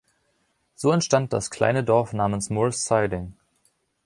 So entstand das kleine Dorf namens Moore‘s Siding.